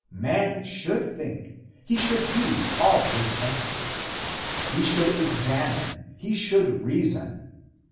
Man should think; he should use all his senses; he should examine; he should reason.